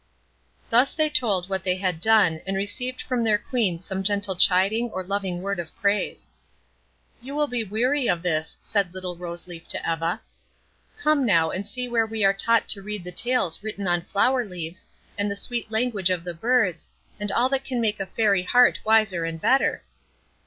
Thus they told what they had done, and received from their Queen some gentle chiding or loving word of praise. "You will be weary of this," said little Rose Leaf to Eva; "come now and see where we are taught to read the tales written on flower leaves, and the sweet language of the birds, and all that can make a Fairy heart wiser and better."